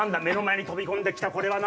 目の前に飛び込んで来た！